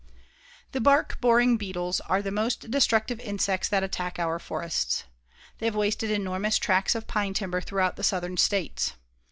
The bark boring beetles are the most destructive insects that attack our forests. They have wasted enormous tracts of pine timber throughout the southern states.